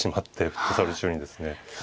フットサル中にですね。